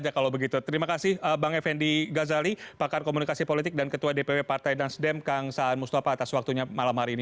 kalau berbeda selera dengan pertahanan